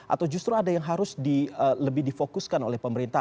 atau justru ada yang harus lebih difokuskan oleh pemerintah